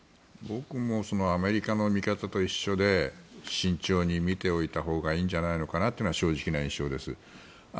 僕もアメリカの見方と一緒で慎重に見ておいたほうがいいんじゃないのかなというのが正直な印象です。